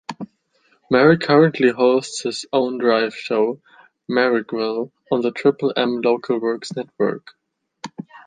Merrick currently hosts his own drive show "Merrickville" on the Triple M LocalWorks network.